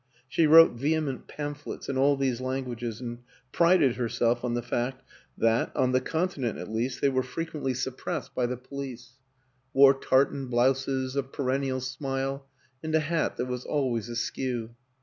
She wrote vehement pamphlets in all these languages and prided herself on the fact that, on the Continent at least, they were frequently suppressed by the WILLIAM AN ENGLISHMAN 39 police; wore tartan blouses, a perennial smile, and a hat that was always askew.